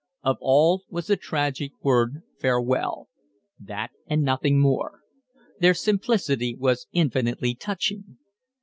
On all was the tragic word farewell; that and nothing more. Their simplicity was infinitely touching.